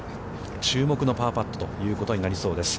注目のパーパットということになりそうです。